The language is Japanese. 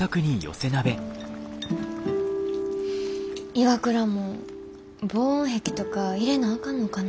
ＩＷＡＫＵＲＡも防音壁とか入れなあかんのかな。